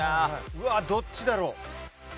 うわっどっちだろう？